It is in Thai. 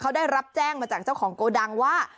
เขาได้รับแจ้งมาจากเจ้าของโกดังว่า